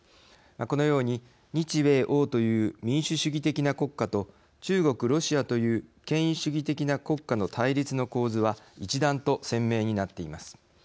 このように日米欧という民主主義的な国家と中国ロシアという権威主義的な国家の対立の構図は一段と鮮明になっています。